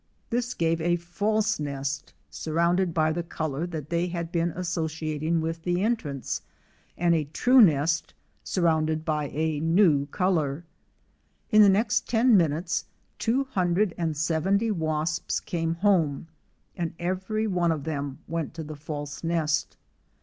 This gave a false nest surrounded by the color that they had been associating with the entrance, and a true nest surrounded by a new color. In the next ten minutes two hundred and seventy wasps came home, and every one of them went to the false nest.